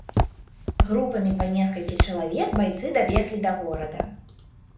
Групамі па некалькі чалавек байцы дабеглі да горада.